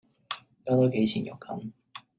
加多幾錢肉緊